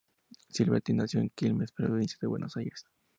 Silvetti nació en Quilmes, provincia de Buenos Aires.